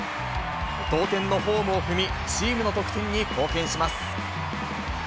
同点のホームを踏み、チームの得点に貢献します。